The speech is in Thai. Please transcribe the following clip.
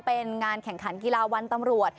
เป็นงานแข่งขันกีฬาวันตำรวจ